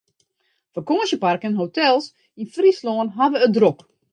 Fakânsjeparken en hotels yn Fryslân hawwe it drok.